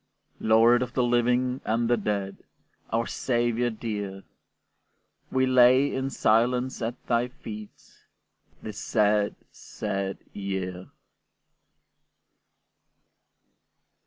Lord of the living and the dead, Our Saviour dear! We lay in silence at thy feet This sad, sad year!